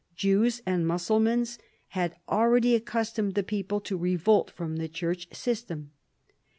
Jews and Mussalmans had already accustomed the people to revolt from the church system.